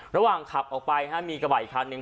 ระหว่างขับออกไปมีกระบะอีกคันหนึ่ง